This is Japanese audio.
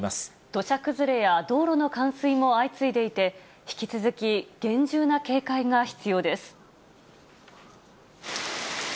土砂崩れや道路の冠水も相次いでいて、引き続き、厳重な警戒が必要です。